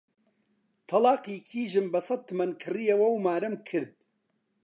تەڵاقی کیژم بە سەد تمەن کڕیەوە و مارەم کرد